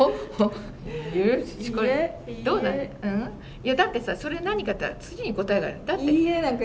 いやだってさそれ何かっていったら次に答えがある。